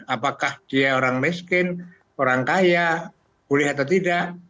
apakah dia orang miskin orang kaya boleh atau tidak